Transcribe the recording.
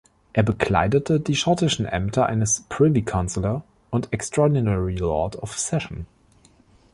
Er bekleidete die schottischen Ämter eines Privy Counsellor und Extraordinary Lord of Session.